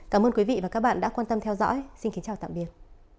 cảm ơn quý vị và các bạn đã quan tâm theo dõi xin kính chào tạm biệt